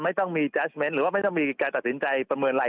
ไม่ต้องมีเหรอว่าไม่ต้องมีการตัดสินใจประเมินราย